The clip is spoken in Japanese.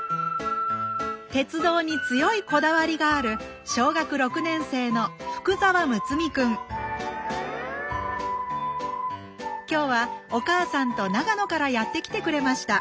鉄道に強いこだわりがある今日はお母さんと長野からやって来てくれました